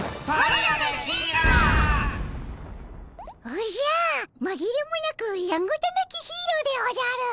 おじゃまぎれもなくやんごとなきヒーローでおじゃる！